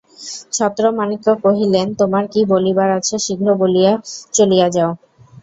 ছত্রমাণিক্য কহিলেন, তোমার কী বলিবার আছে শীঘ্র বলিয়া চলিয়া যাও।